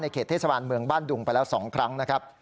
เขตเทศบาลเมืองบ้านดุงไปแล้ว๒ครั้งนะครับ